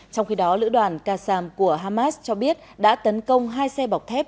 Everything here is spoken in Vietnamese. trong khi đó lữ đoàn kasam của hamas cho biết đã tấn công hai xe bọc thép